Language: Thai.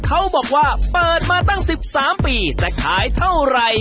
เขาบอกว่าเปิดมาตั้ง๑๓ปีแต่ขายเท่าไหร่